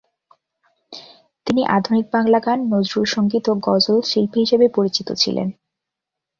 তিনি আধুনিক বাংলা গান, নজরুল সংগীত ও গজল শিল্পী হিসেবে পরিচিত ছিলেন।